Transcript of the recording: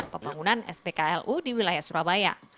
pembangunan spklu di wilayah surabaya